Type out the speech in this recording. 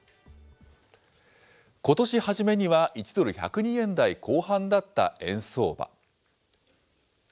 ことし初めには、１ドル１０２円台後半だった円相場。